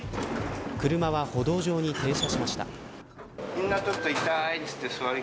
車は歩道上に停車しました。